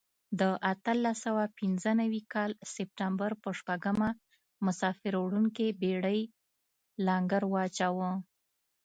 د اتلس سوه پنځه نوي کال سپټمبر په شپږمه مسافر وړونکې بېړۍ لنګر واچاوه.